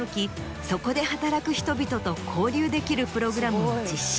そこで働く人々と交流できるプログラムも実施。